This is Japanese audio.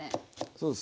そうです